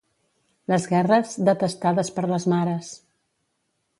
Les guerres, detestades per les mares.